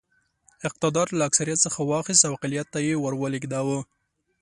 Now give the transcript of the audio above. اقتدار له اکثریت څخه واخیست او اقلیت ته یې ور ولېږداوه.